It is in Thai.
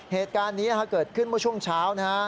เหตุการณ์นี้เกิดขึ้นเมื่อช่วงเช้านะฮะ